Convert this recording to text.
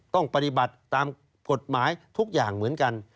ต้องปฏิบัติตามกฎหมายทุกอย่างเหมือนกัน